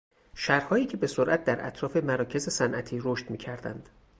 شهرهایی که به سرعت در اطراف مراکز صنعتی رشد میکردند